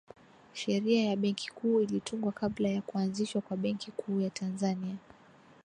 sheria ya benki kuu ilitungwa kabla ya kuanzishwa kwa benki kuu ya tanzania